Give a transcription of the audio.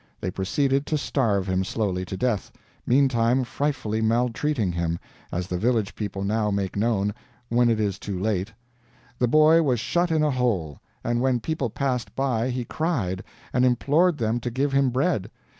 They proceeded to starve him slowly to death, meantime frightfully maltreating him as the village people now make known, when it is too late. The boy was shut in a hole, and when people passed by he cried, and implored them to give him bread.